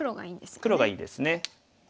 黒がいいですね。